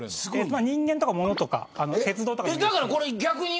人間とか物とか、鉄道とかに。